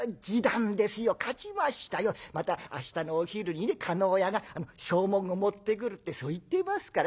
また明日のお昼にね叶屋が証文を持ってくるってそう言ってますから。